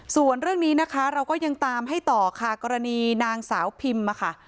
ส่วนเรื่องนี้นะคะเราก็ยังตามให้ต่อค่ะกรณีนางสาวพิมมาค่ะ